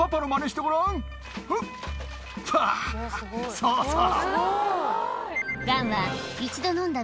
そうそう！